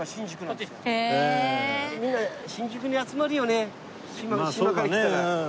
みんな新宿に集まるよね島から来たら。